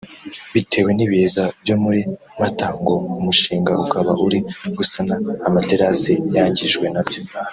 Bitewe n’ibiza byo muri Mata ngo umushinga ukaba uri gusana amaterasi yangijwe nabyo